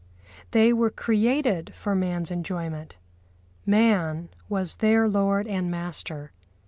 They were created for man's enjoyment; man was their lord and master.